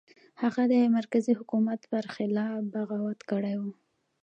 هغه د مرکزي حکومت پر خلاف بغاوت کړی و.